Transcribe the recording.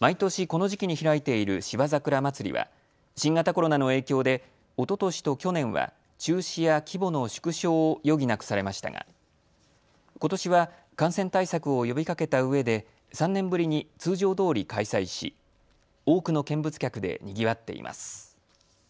毎年、この時期に開いている芝桜まつりは新型コロナの影響でおととしと去年は中止や規模の縮小を余儀なくされましたがことしは感染対策を呼びかけたうえで３年ぶりに通常どおり開催し多くの見物客でにぎわっています。